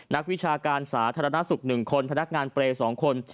นักวิชาการสาธารณสุข๑คนพนักงานเปรย์๒คน